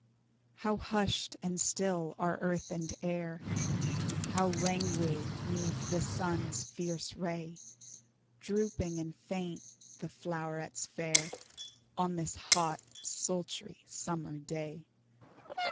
How hushed and still are earth and air, How languid 'neath the sun's fierce ray Drooping and faint the flowrets fair, On this hot, sultry, summer day!